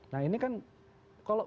nah ini kan kalau